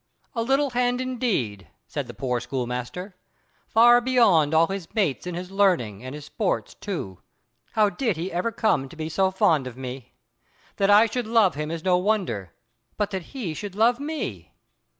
"A little hand, indeed," said the poor schoolmaster. "Far beyond all his mates in his learning and his sports too, how did he ever come to be so fond of me? That I should love him is no wonder, but that he should love me!"